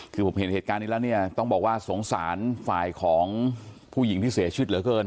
คือผมเห็นเหตุการณ์นี้แล้วเนี่ยต้องบอกว่าสงสารฝ่ายของผู้หญิงที่เสียชีวิตเหลือเกิน